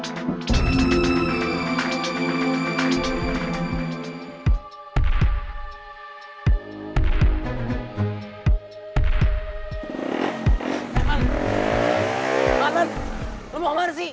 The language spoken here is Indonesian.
saman lo mau ke mana sih